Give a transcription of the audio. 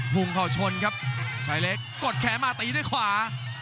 งเขาชนครับชายเล็กกดแขนมาตีด้วยขวา